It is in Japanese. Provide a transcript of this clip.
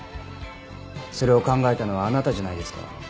それを考えたのはあなたじゃないですか？